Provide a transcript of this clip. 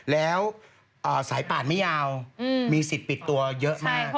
แล้วสายป่านไม่ยาวมีสิทธิ์ปิดตัวเยอะมาก